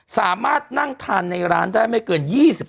สามารถนั่งทานในร้านได้ไม่เกิน๒๕